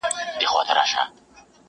پرېږدی په اور يې اوربل مه ورانوی،